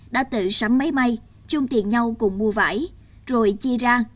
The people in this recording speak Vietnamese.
đã tự sắm máy may chung tiền nhau cùng mua vải rồi chia ra